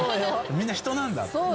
みんな人なんだって。